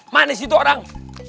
manis gitu orang